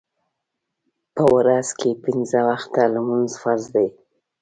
په ورځ کې پینځه وخته لمونځ فرض دی.